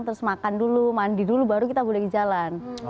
terus makan dulu mandi dulu baru kita boleh jalan